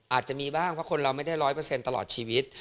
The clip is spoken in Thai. อาจจะมีบ้างเพราะคนเราไม่ได้ร้อยเปอร์เซ็นต์ตลอดชีวิต